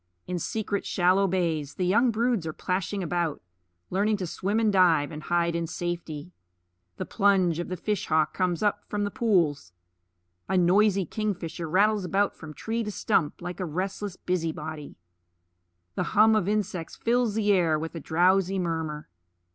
In secret shallow bays the young broods are plashing about, learning to swim and dive and hide in safety. The plunge of the fish hawk comes up from the pools. A noisy kingfisher rattles about from tree to stump, like a restless busy body. The hum of insects fills the air with a drowsy murmur.